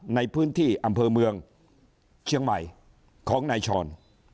ในพื้นที่อำเภอเมืองเชียงใหม่ของนายชร